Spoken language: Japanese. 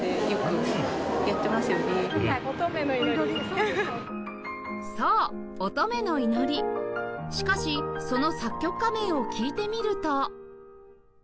これはよくそう『乙女の祈り』しかしその作曲家名を聞いてみると